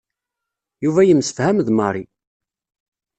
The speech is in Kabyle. Yuba yemsefham d Mary.